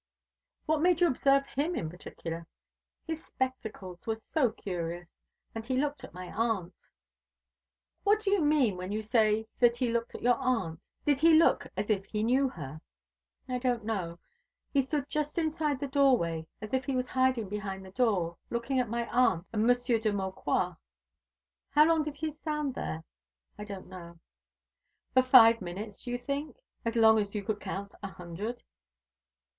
"What made you observe him in particular?" "His spectacles were so curious, and he looked at my aunt." "What do you mean when you say that he looked at your aunt? Did he look as if he knew her?" "I don't know. He stood just inside the doorway, as if he was hiding behind the door, looking at my aunt and Monsieur de Maucroix." "How long did he stand there?" "I don't know." "For five minutes, do you think? As long as you could count a hundred?"